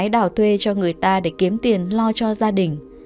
đào thuê cho người ta để kiếm tiền lo cho gia đình